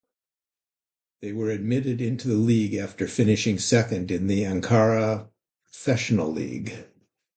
They were admitted into the league after finishing second in the Ankara Professional League.